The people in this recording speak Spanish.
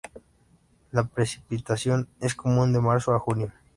La precipitación es común de marzo a junio.